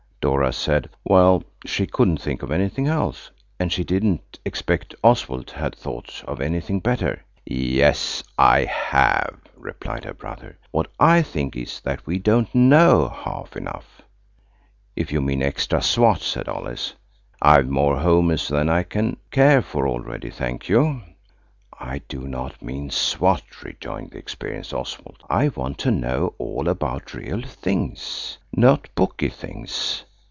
Dora said, well, she couldn't think of anything else. And she didn't expect Oswald had thought of anything better. "Yes, I have," replied her brother. "What I think is that we don't know half enough." "If you mean extra swat," said Alice; "I've more homers than I care for already, thank you." "I do not mean swat," rejoined the experienced Oswald. "I want to know all about real things, not booky things.